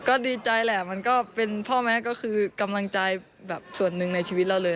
ก็ดีใจแหละมันก็เป็นพ่อแม่ก็คือกำลังใจแบบส่วนหนึ่งในชีวิตเราเลย